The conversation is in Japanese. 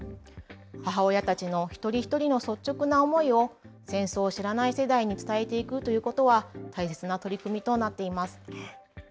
母親たちの一人一人の率直な思いを戦争を知らない世代に伝えていくということは、大切な取り組みとなっています。